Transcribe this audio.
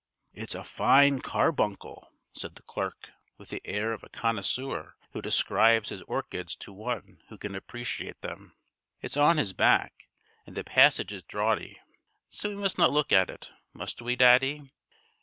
"It's a fine carbuncle," said the clerk, with the air of a connoisseur who describes his orchids to one who can appreciate them. "It's on his back and the passage is draughty, so we must not look at it, must we, daddy?